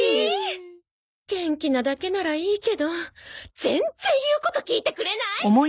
元気なだけならいいけど全然言うこと聞いてくれない！